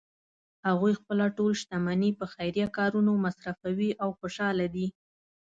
هغوی خپله ټول شتمني په خیریه کارونو مصرفوی او خوشحاله دي